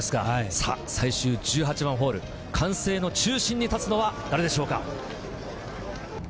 最終１８番ホール、歓声の中心に立つのは誰でしょうか？